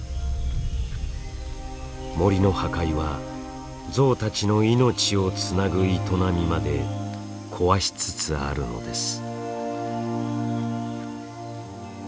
森の破壊はゾウたちの命をつなぐ営みまで壊しつつあるのです。